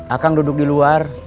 akang duduk di luar